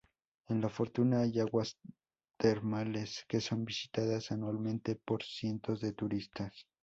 En La Fortuna hay aguas termales que son visitadas anualmente por cientos de turistas.